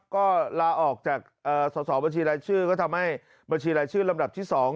ก็ลาออกจากสอสอบัญชีรายชื่อก็ทำให้บัญชีรายชื่อลำดับที่๒